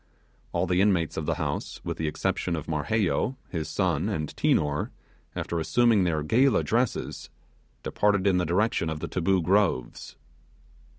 All the inmates of the house, with the exception of Marheyo, his son, and Tinor, after assuming their gala dresses, departed in the direction of the Taboo Groves.